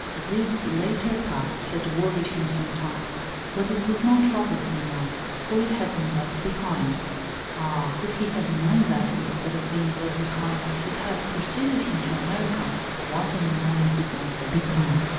This later past had worried him sometimes, but it could not trouble him now, for it had been left behind. Ah, could he have known that, instead of being left behind, it had preceded him to America, what an annoyance it might have become